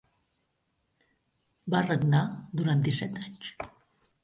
Va regnar durant disset anys.